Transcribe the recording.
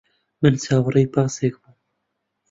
من چاوەڕێی پاسێک بووم.